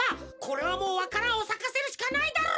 これはもうわか蘭をさかせるしかないだろう！